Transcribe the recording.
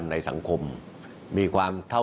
วันนี้นั้นผมจะมาพูดคุยกับทุกท่าน